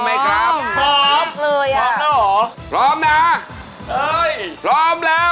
วันที่เธอพบมันใจฉัน